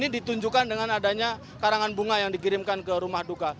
ini ditunjukkan dengan adanya karangan bunga yang dikirimkan ke rumah duka